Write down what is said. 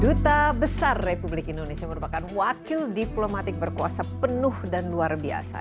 duta besar republik indonesia merupakan wakil diplomatik berkuasa penuh dan luar biasa